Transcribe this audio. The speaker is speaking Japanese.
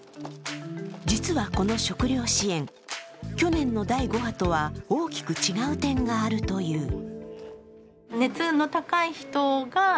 実はこの食料支援、去年の第５波とは大きく違う点があるという。